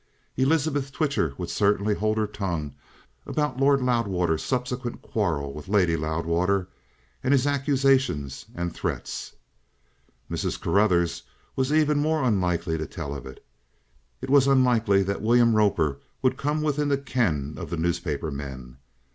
Elizabeth Twitcher would certainly hold her tongue about Lord Loudwater's subsequent quarrel with Lady Loudwater, and his accusations and threats; Mrs. Carruthers was even more unlikely to tell of it. It was unlikely that William Roper would come within the ken of the newspaper men.